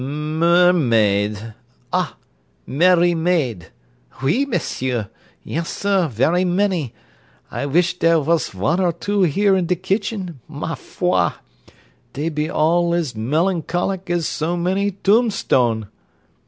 mer r m m aid! Ah! merry maid! Oui, monsieur! Yes, sir, very many. I vish dere vas von or two here in de kitchen ma foi! Dey be all as melancholic as so many tombstone.